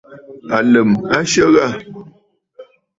Àlə̀m a syə yi.